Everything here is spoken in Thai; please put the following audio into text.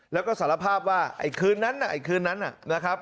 แล้วก็สารภาพว่าไอ้คืนนั้นน่ะไอ้คืนนั้นนะครับ